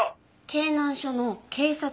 京南署の警察官。